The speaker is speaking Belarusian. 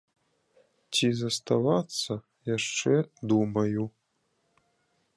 Ці заставацца, яшчэ думаю.